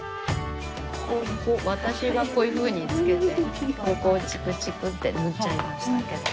私はこういうふうにつけてここをちくちくって縫っちゃいましたけど。